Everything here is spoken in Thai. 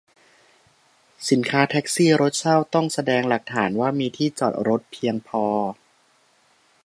สินค้า แท็กซี่ รถเช่า ต้องแสดงหลักฐานว่ามีที่จอดรถเพียงพอ